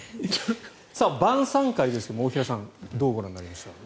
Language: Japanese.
晩さん会ですが、大平さんどうご覧になりました？